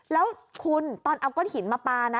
แล้วคุณตอนเอาก้อนหินมาปลานะ